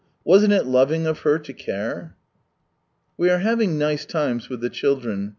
Wasn't it loving of her to care ? We are having nice times with the children.